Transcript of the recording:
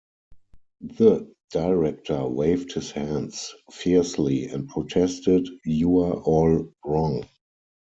The director waved his hands fiercely and protested You're all wrong!